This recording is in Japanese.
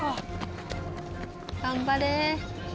頑張れ！